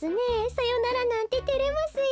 さよならなんててれますよ。